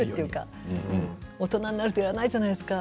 大人になるとやらないじゃないですか。